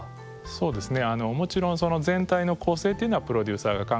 そうですね